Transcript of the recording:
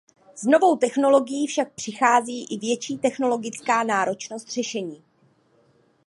S novou technologií však přichází i větší technologická náročnost řešení.